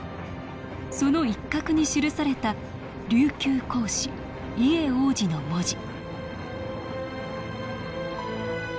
その一角に記された「琉球公子伊江王子」の文字